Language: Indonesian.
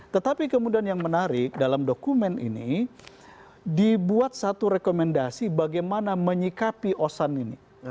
tetapi kemudian yang menarik dalam dokumen ini dibuat satu rekomendasi bagaimana menyikapi osan ini